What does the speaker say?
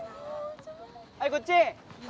はいこっち！